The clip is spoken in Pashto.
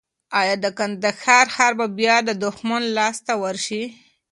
ایا د کندهار ښار به بیا د دښمن لاس ته ورشي؟